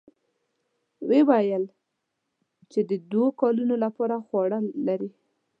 ويې ويل چې د دوو کلونو له پاره خواړه لري.